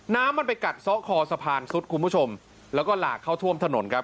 น้ำมันไปกัดซ้อคอสะพานซุดคุณผู้ชมแล้วก็หลากเข้าท่วมถนนครับ